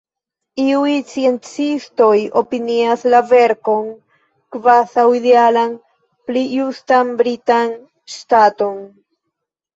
Iuj sciencistoj opinias la verkon kvazaŭ idealan, pli justan britan ŝtaton.